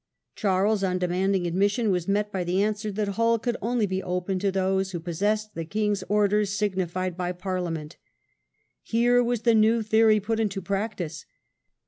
Charles, on demanding admission, was met by the answer that Hull could only be opened to those who possessed the king's orders "signified" by Parliament. Here was the new theory put into practice.